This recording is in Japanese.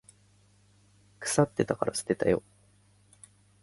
腐ってたから捨てたよ。